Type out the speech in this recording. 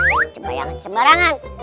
eh cembayangan sembarangan